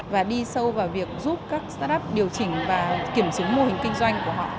và đi sâu vào việc giúp các start up điều chỉnh và kiểm chứng mô hình kinh doanh của họ